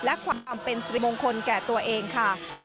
และความอำเป็นสิริมงคลแก่ตัวเองค่ะ